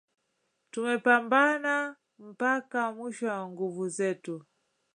Tumepamabana mpaka mwisho wa nguvu zetu.